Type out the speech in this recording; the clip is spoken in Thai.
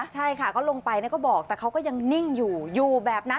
ใช่ค่ะก็ลงไปก็บอกแต่เขาก็ยังนิ่งอยู่อยู่แบบนั้น